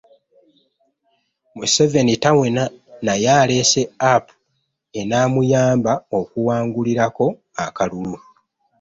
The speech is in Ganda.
Museveni tawena, naye aleese App enaamuyamba okuwangulirako akalulu